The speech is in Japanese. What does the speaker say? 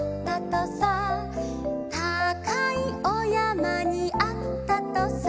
「たかいおやまにあったとさ」